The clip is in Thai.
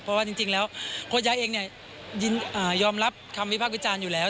เพราะว่าจริงแล้วโค้ดย้ายเองยอมรับคำวิพากษ์วิจารณ์อยู่แล้ว